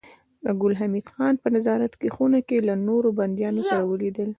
ګل حمید خان په نظارت خونه کې له نورو بنديانو سره ولیدل